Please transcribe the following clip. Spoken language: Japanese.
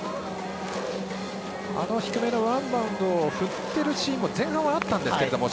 あの低めのワンバウンドを振っているシーンは前半はあったんですけども。